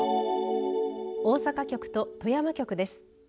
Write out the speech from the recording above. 大阪局と富山局です。